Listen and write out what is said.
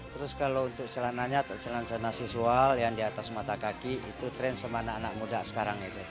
terus kalau untuk celananya atau celana celana siswa yang di atas mata kaki itu tren sama anak anak muda sekarang itu